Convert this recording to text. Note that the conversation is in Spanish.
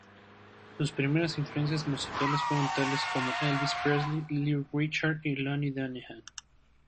Sus primeras influencias musicales fueron tales como Elvis Presley, Little Richard y Lonnie Donegan.